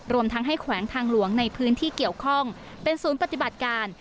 รวมทั้งให้แขวงทางหลวงในพื้นที่เกี่ยวข้องเป็นศูนย์ปฏิบัติการ